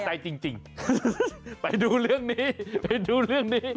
ใจจริงไปดูเรื่องนี้ไปดูเรื่องนี้